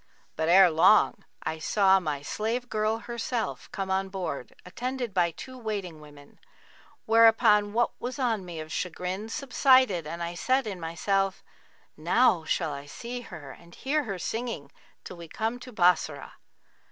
But ere long I saw my slave girl herself come on board, attended by two waiting women; whereupon what was on me of chagrin subsided and I said in myself, 'Now shall I see her and hear her singing, till we come to Bassorah.'